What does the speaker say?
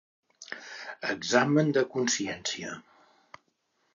Examen de consciència.